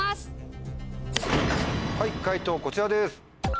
解答こちらです。